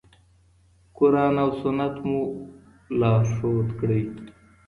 قرآن او سنت مو لارښود کړئ.